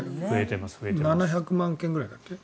７００万軒ぐらいだっけ？